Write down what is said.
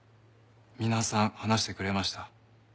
皆さん話してくれました。